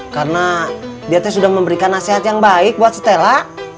karena dia tuh sudah memberikan nasihat yang baik buat stella